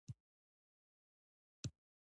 زیاته برخه یې د زمان پر واټ تری تم شوې ده.